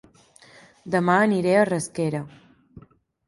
Dema aniré a Rasquera